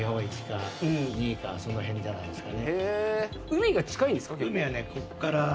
海が近いんですか？